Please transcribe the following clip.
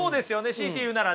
強いて言うならね。